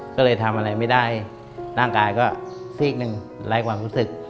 ก็เลยทำอะไรไม่ได้ร่างกายก็ซีกหนึ่งไร้ความรู้สึก